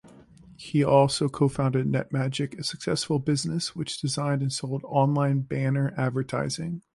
He also co-founded Netmagic, a successful business which designed and sold online banner advertising.